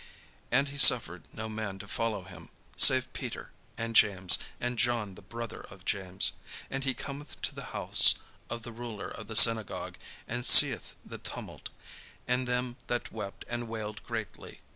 And he suffered no man to follow him, save Peter, and James, and John the brother of James. And he cometh to the house of the ruler of the synagogue, and seeth the tumult, and them that wept and wailed greatly.